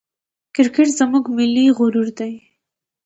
کرکټ زموږ ملي غرور دئ.